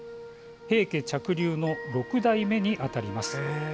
平家嫡流の６代目にあたります。